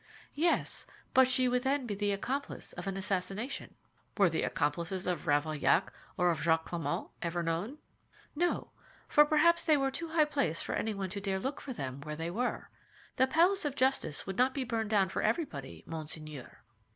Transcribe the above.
"Yes; but she would then be the accomplice of an assassination." "Were the accomplices of Ravaillac or of Jacques Clément ever known?" "No; for perhaps they were too high placed for anyone to dare look for them where they were. The Palace of Justice would not be burned down for everybody, monseigneur."